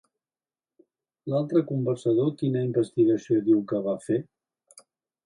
L'altre conversador quina investigació diu que va fer?